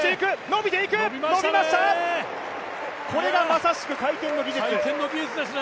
伸びました、これがまさしく回転の技術。